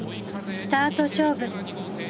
スタート勝負。